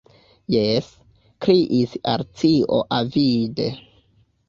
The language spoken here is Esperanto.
"Jes," kriis Alicio avide.